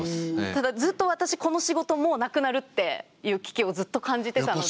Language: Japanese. ただずっと私この仕事もうなくなるっていう危機をずっと感じてたので。